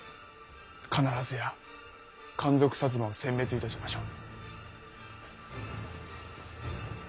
必ずや奸賊摩を殲滅いたしましょう。